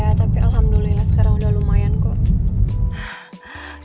ya tapi alhamdulillah sekarang udah lumayan lah ya